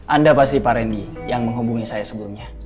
anda pasti pak rendy yang menghubungi saya sebelumnya